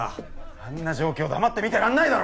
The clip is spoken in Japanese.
あんな状況黙って見てらんないだろ！